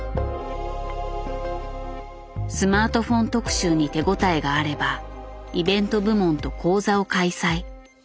スマートフォン特集に手応えがあればイベント部門と講座を開催。